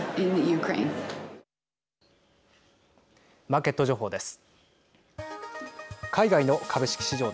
マーケット情報です。